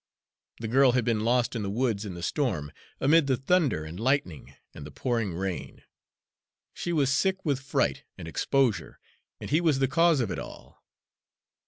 The girl had been lost in the woods in the storm, amid the thunder and lightning and the pouring rain. She was sick with fright and exposure, and he was the cause of it all.